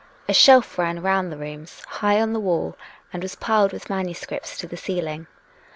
A shelf ran round the room, high on the wall, and was piled with manuscripts to the ceiling.